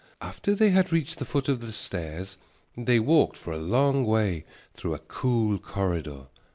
After they had reached the foot of the stairs they walked for a long way through a cool corridor.